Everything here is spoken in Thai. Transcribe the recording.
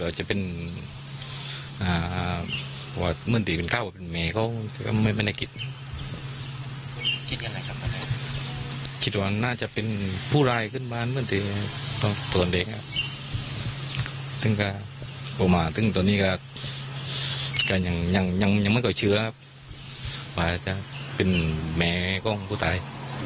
ตอนเด็กตอนนี้ก็ยังไม่เคยเชื้อเป็นแม่ของผู้ตาย